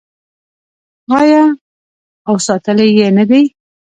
آیا او ساتلی یې نه دی؟